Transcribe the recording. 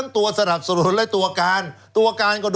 ถือว่าเยอะมาก